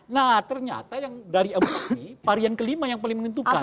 nah ternyata yang dari abu ini varian kelima yang paling menentukan